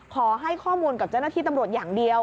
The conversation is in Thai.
ขอให้ข้อมูลกับเจ้าหน้าที่ตำรวจอย่างเดียว